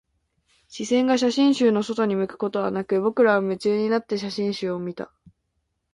視線が写真集の外に向くことはなく、僕らは夢中になって写真集を見た